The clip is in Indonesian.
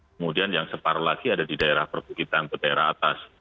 kemudian yang separuh lagi ada di daerah perbukitan peterat atas